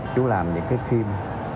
chú làm những cái phim